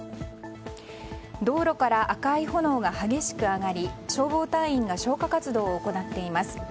道路から赤い炎が激しく上がり消防隊員が消火活動を行っています。